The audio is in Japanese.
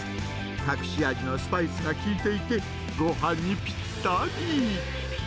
隠し味のスパイスが効いていて、ごはんにぴったり。